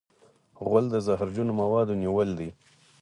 غول د زهرجنو موادو نیول دی.